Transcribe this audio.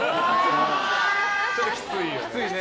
ちょっときついよね。